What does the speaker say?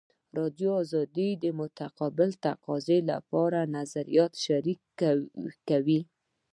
کلتوري ډیپلوماسي د متقابل تفاهم لپاره نظریات شریکوي